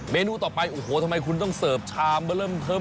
นูต่อไปโอ้โหทำไมคุณต้องเสิร์ฟชามมาเริ่มเทิม